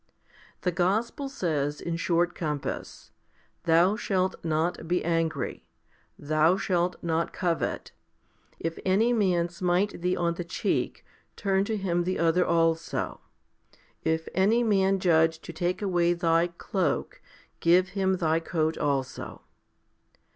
The gospel says in short compass, " Thou shalt not be angry ; thou shalt not covet. If any man smite thee on the cheek, turn to him the other also. If any man judge to take away thy cloak, give him thy coat also."